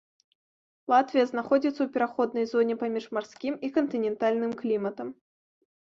Латвія знаходзіцца ў пераходнай зоне паміж марскім і кантынентальным кліматам.